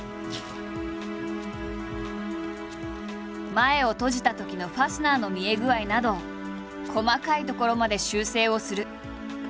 前を閉じたときのファスナーの見え具合など細かい所まで修正をする。